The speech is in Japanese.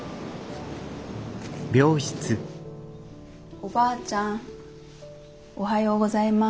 おばあちゃんおはようございます。